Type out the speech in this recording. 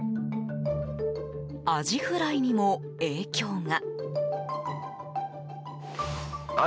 アジフライにも影響が。